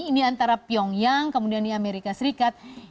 ini antara pyongyang kemudian di amerika serikat